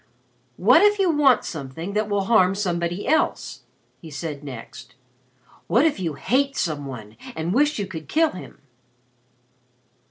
"What if you want something that will harm somebody else?" he said next. "What if you hate some one and wish you could kill him?"